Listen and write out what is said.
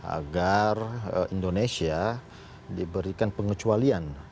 agar indonesia diberikan pengecualian